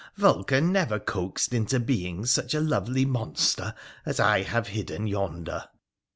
Vulcan never coaxed into being such a lovely monster as I have hidden yonder.